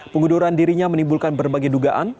pengunduran dirinya menimbulkan berbagai dugaan